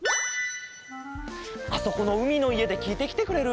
あそこのうみのいえできいてきてくれる？